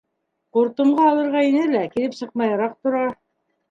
Ҡуртымға алырға ине лә, килеп сыҡмайыраҡ тора.